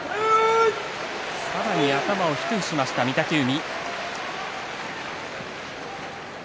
さらに頭を低くしました御嶽海。